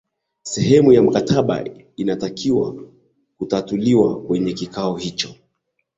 sehemu ya mkataba inatakiwa kutatuliwa kwenye kikao hicho